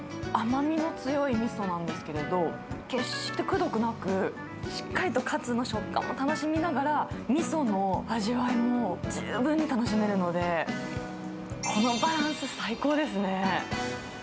甘みの強いみそなんですけれど、決してくどくなく、しっかりとかつの食感を楽しみながら、みその味わいも十分に楽しめるので、このバランス最高ですね。